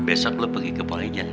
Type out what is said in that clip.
besok lo pergi ke polijangan